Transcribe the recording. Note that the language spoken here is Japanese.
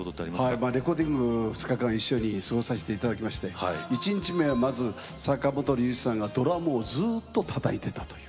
レコーディング２日間一緒に過ごさせていただきまして１日目はまず坂本龍一さんがドラムをずっとたたいてたという。